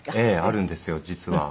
あるんですよ実は。